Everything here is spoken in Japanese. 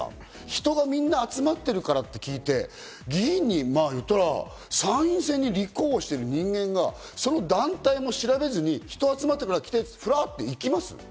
人がみんな集まってるからって聞いて、議員にいったら、参院選に立候補している人間がその団体も調べずに、人が集まってるから来てって言ってフラっと行きます？